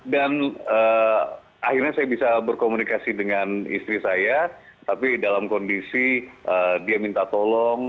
dan akhirnya saya bisa berkomunikasi dengan istri saya tapi dalam kondisi dia minta tolong